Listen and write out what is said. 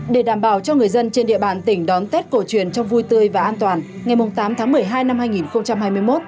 để đảm bảo cho người dân trên địa bàn tỉnh đón tết cổ truyền trong vui tươi và an toàn ngày tám tháng một mươi hai năm hai nghìn hai mươi một